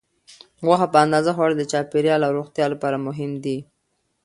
غوښه په اندازه خوړل د چاپیریال او روغتیا لپاره مهم دي.